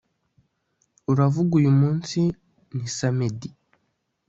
Uravuga uyumunsi ni samedi